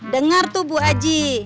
dengar tuh bu haji